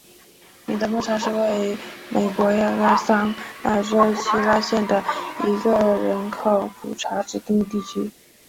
米德牧场是位于美国亚利桑那州希拉县的一个人口普查指定地区。